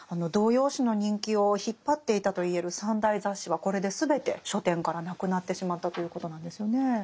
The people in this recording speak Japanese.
童謡詩の人気を引っ張っていたといえる３大雑誌はこれで全て書店からなくなってしまったということなんですよね。